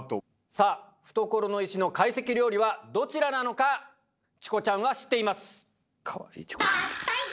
さあ懐の石の懐石料理はどちらなのかチコちゃんは知っています。